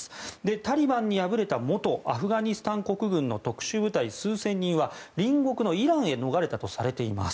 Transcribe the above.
タリバンに敗れた元アフガニスタン国軍の特殊部隊数千人は隣国のイランへ逃れたとされています。